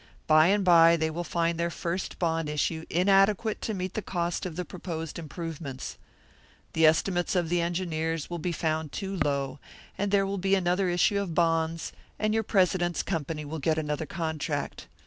"By and by they will find their first bond issue inadequate to meet the cost of the proposed improvements. The estimates of the engineers will be found too low, and there will be another issue of bonds, and your president's company will get another contract.